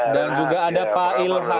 juga ada pak ilham